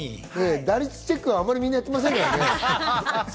打率チェックはあまりみんなやってませんからね。